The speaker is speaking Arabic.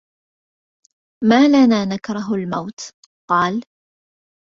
مَا لَنَا نَكْرَهُ الْمَوْتَ ؟ قَالَ